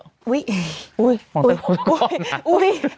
ที่มีใครมาใช้เวลาให้ต้องติดต่อนะ